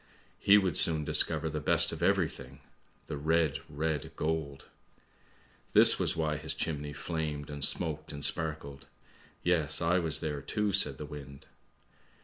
He would soon discover the best of everything, the red, red gold !:< This was why his chimney flamed and smoked and sparkled. Yes, I was there, too," said the wind.